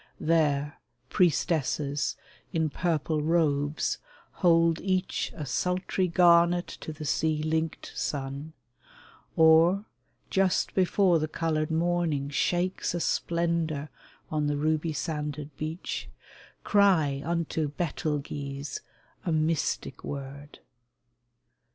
There priestesses in purple robes hold each A sultry garnet to the sea linkt sun, Or, just before the colored morning shakes A splendor on the ruby sanded beach, Cry unto Betelguese a mystic word.